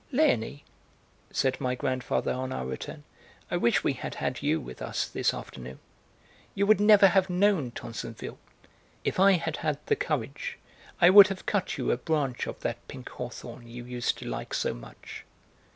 "Léonie," said my grandfather on our return, "I wish we had had you with us this afternoon. You would never have known Tansonville. If I had had the courage I would have cut you a branch of that pink hawthorn you used to like so much."